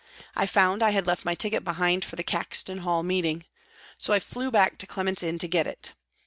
I found I had left my ticket behind for the Caxton Hall Meeting. So I flew back to Clement's Inn to get it.